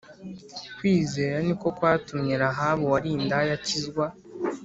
Kwizera ni ko kwatumye Rahabu wari indaya akizwa